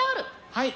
はい。